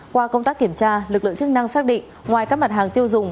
qua công tác kiểm tra lực lượng chức năng xác định ngoài các mặt hàng tiêu dùng